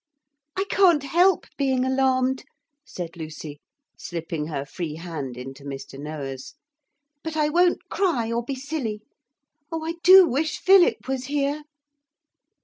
'I can't help being alarmed,' said Lucy, slipping her free hand into Mr. Noah's, 'but I won't cry or be silly. Oh, I do wish Philip was here.'